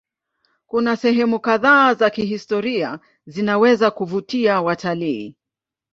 Kuna sehemu kadhaa za kihistoria zinazoweza kuvutia watalii.